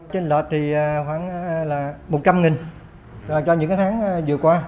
trên lọt thì khoảng là một trăm linh nghìn cho những cái tháng vừa qua